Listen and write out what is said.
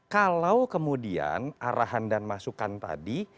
kalau kemudian arahan dan masukan tadi